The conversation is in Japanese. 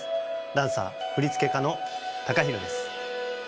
ダンサー振付家のＴＡＫＡＨＩＲＯです。